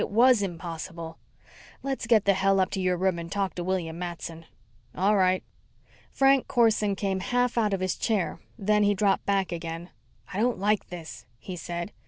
It was impossible. Let's get the hell up to your room and talk to William Matson." "All right." Frank Corson came half out of his chair, then he dropped back again. "I don't like this," he said.